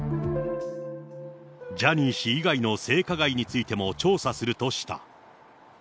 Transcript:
ジャニー氏以外の性加害についても調査するとした。